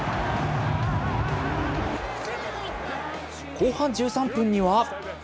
後半１３分には。